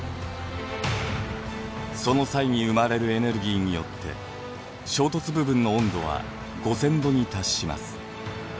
その際に生まれるエネルギーによって衝突部分の温度は５，０００度に達します。